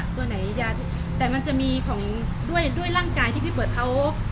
แต่มันจะมีของด้วยร่างกายที่พี่เบิร์ดเขา